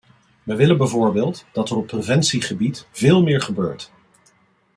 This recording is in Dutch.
Wij willen bijvoorbeeld dat er op preventiegebied veel meer gebeurt.